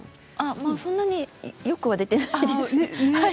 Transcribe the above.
そんなによくは出ていないです。